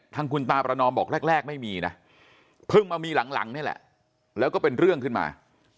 ทางคุณตาประนอมบอกแรกไม่มีนะเพิ่งมามีหลังนี่แหละแล้วก็เป็นเรื่องขึ้นมา